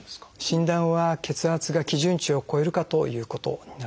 診断は血圧が基準値を超えるかということになります。